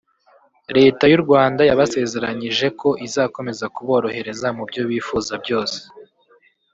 Leta y’u Rwanda yabasezeranyije ko izakomeza kuborohereza mu byo bifuza byose